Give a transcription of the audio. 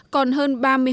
còn hơn ba người đồng búa